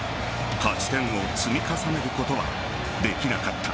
勝ち点を積み重ねることはできなかった。